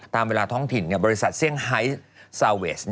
ตามเวลาท้องถิ่นบริษัทเซี่ยงไฮซาเวส